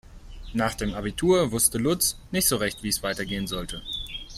Nach dem Abitur wusste Lutz nicht so recht, wie es weitergehen sollte.